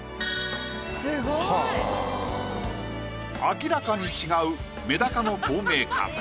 明らかに違うメダカの透明感。